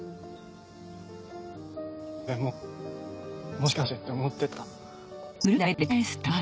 俺ももしかしてって思ってた。